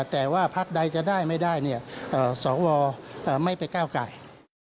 แต่ว่าพักใดจะได้ไม่ได้สวไม่ไปก้าวไก่